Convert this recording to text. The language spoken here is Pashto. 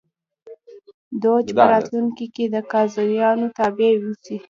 دوج په راتلونکي کې د قاضیانو تابع اوسي.